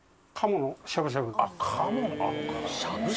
鴨のしゃぶしゃぶ。